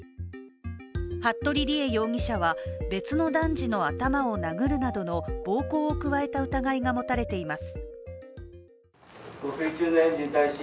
服部理江容疑者は別の男児の頭を殴るなどの暴行を加えた疑いが持たれています。